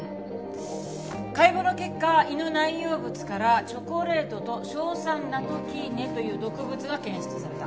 解剖の結果胃の内容物からチョコレートと硝酸ナトキーネという毒物が検出された。